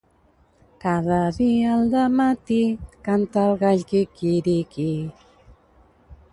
Cada dia al dematí, canta el gall quiquiriquí.